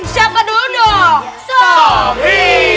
siapa dulu dong sobri